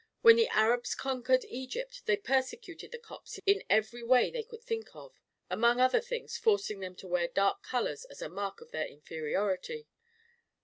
When the Arabs conquered I f Egypt, they persecuted the Copts in every way they could think of— ^mong other things, forcing them to wear dark colon as a mark of their inferiority.